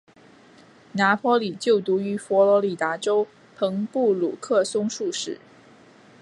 拿坡里就读于佛罗里达州朋布鲁克松树市。